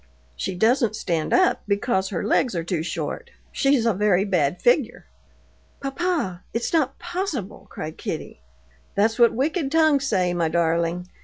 "She doesn't stand up because her legs are too short. She's a very bad figure." "Papa, it's not possible!" cried Kitty. "That's what wicked tongues say, my darling.